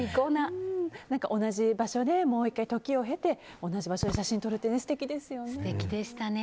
同じ場所で、もう１回時を経て同じ場所で写真を撮るって素敵ですよね。